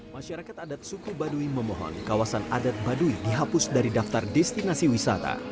masyarakat adat suku baduy memohon kawasan adat baduy dihapus dari daftar destinasi wisata